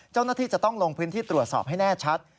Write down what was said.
เจ้าหน้าที่จะต้องลงพื้นที่ตรวจสอบให้แน่ชัด